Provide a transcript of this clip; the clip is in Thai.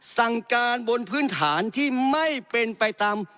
สั่งการบนพื้นฐานที่ไม่เป็นไปตาม